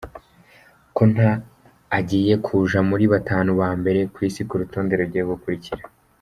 Konta agiye kuja muri batanu ba mbere kw'isi ku rutonde rugiye gukurikira.